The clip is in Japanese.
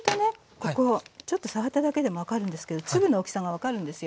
ここちょっと触っただけでも分かるんですけど粒の大きさが分かるんですよ。